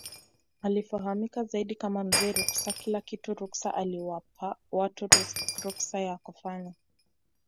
Akifahamika zaidi kama Mzee Ruksa Kila kitu ruksa aliwapa watu ruksa ya kufanya